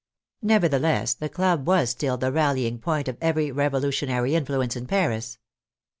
Nevertheless the club was still the rallying point of every revolutionary influence in Paris.